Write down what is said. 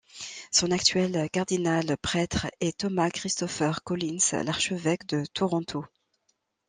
Son actuel cardinal-prêtre est Thomas Christopher Collins, l'archevêque de Toronto.